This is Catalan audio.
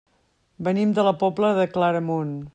Venim de la Pobla de Claramunt.